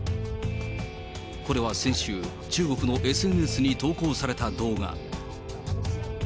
これは先週、中国のＳＮＳに投稿された動画。